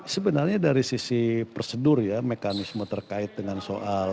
sebenarnya dari sisi prosedur ya mekanisme terkait dengan soal